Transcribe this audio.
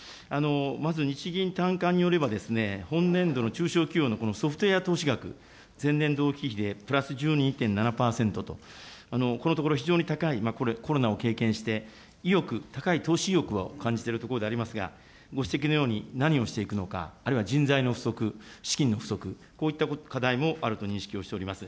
まず日銀短観によれば、本年度の中小企業のソフトウエア投資額、前年同期比でプラス１２．７％と、このところ、非常に高い、これ、コロナを経験して、意欲、高い投資意欲を感じているところでありますが、ご指摘のように何をしていくのか、あるいは人材の不足、資金の不足、こういった課題もあると認識をしております。